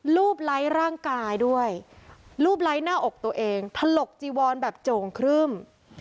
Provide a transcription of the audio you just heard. ไร้ร่างกายด้วยรูปไลค์หน้าอกตัวเองถลกจีวอนแบบโจ่งครึ่ม